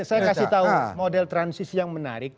saya kasih tahu model transisi yang menarik